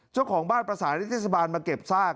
เจ้าของบ้านประสานิเทศบาลมาเก็บซาก